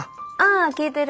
あ聞いてる。